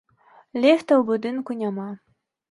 Ліфта ў будынку няма.